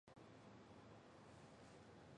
即发生某反应所需要达到的条件要求。